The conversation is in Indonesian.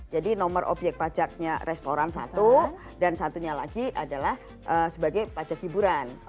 jadi nomor objek pajaknya restoran satu dan satunya lagi adalah sebagai pajak hiburan